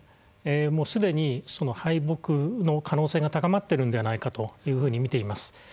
すでに敗北の可能性が高まっているのではないかと見ています。